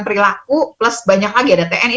perilaku plus banyak lagi ada tni